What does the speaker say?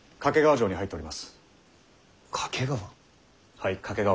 はい懸川。